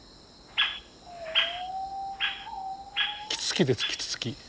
キツツキですキツツキ。